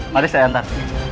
mari saya antar